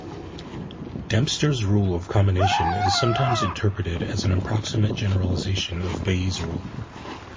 Dempster's rule of combination is sometimes interpreted as an approximate generalisation of Bayes' rule.